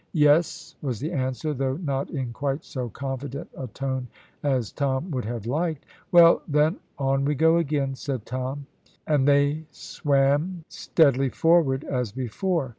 "Yes!" was the answer, though not in quite so confident a tone as Tom would have liked. "Well, then, on we go again," said Tom, and they swam steadily forward as before.